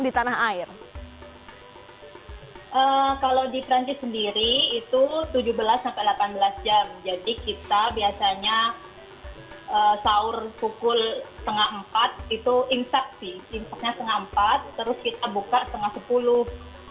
di perancis sendiri itu tujuh belas delapan belas jam jadi kita biasanya sahur pukul tengah empat itu insaksi insaksinya tengah empat terus kita buka tengah sepuluh